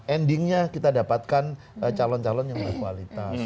endingnya kita dapatkan calon calon yang ada kualitas